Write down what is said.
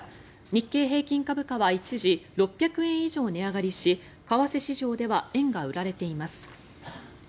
日経平均株価は一時、６００円以上値上がりし為替市場では円が売られています。